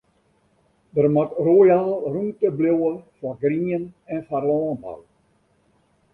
Der moat royaal rûmte bliuwe foar grien en foar lânbou.